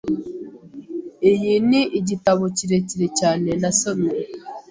Iyi ni igitabo kirekire cyane nasomye.